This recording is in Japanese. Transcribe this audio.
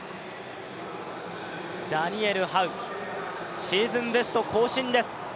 ダニエル・ハウ、シーズンベスト更新です。